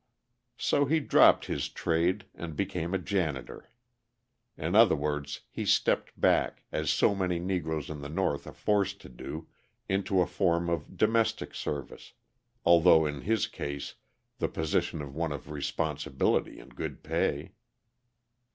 So he dropped his trade and became a janitor. In other words, he stepped back, as so many Negroes in the North are forced to do, into a form of domestic service, although in his case the position is one of responsibility and good pay.